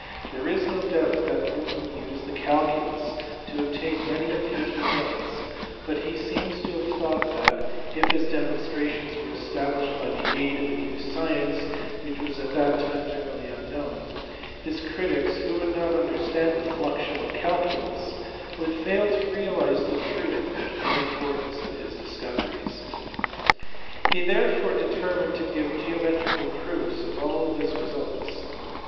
There is no doubt that Newton used the calculus to obtain many of his re sults, but he seems to have thought that, if his demonstrations were established by the aid of a new science which was at that time generally unknown, his critics (who would not understand the fluxional calculus) would fail to realize the truth and im portance of his discoveries. He therefore determined to give geometrical proofs of all his results.